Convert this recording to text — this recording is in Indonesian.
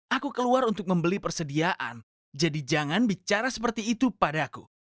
aku keluar untuk membeli persediaan jadi jangan bicara seperti itu padaku